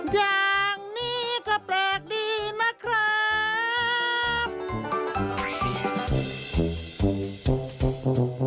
อย่างนี้ก็แปลกดีนะครับ